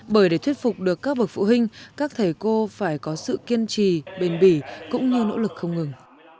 bởi để thuyết phục được các bậc phụ huynh các thầy cô phải có sự kiên trì bền bỉ cũng như nỗ lực không ngừng